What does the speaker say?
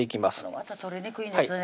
わた取りにくいんですよね